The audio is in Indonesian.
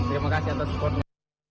terima kasih atas supportnya